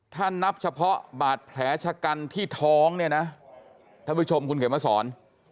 ถ้านับเฉพาะบาดแผลชะกันที่ท้องเนี่ยนะท่านผู้ชมคุณเขียนมาสอน